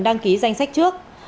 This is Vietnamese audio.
đăng ký danh sách trước